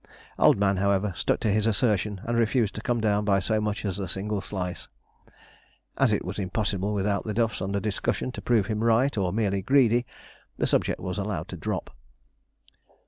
Old Man, however, stuck to his assertion and refused to come down by so much as a single slice. As it was impossible without the duffs under discussion to prove him right or merely greedy, the subject was allowed to drop.